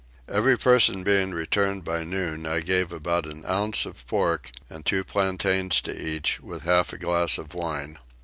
Every person being returned by noon I gave about an ounce of pork and two plantains to each, with half a glass of wine.